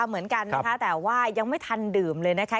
เหมือนกันนะคะแต่ว่ายังไม่ทันดื่มเลยนะคะ